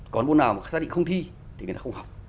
còn môn nào mà khách xác định không thi thì người ta không học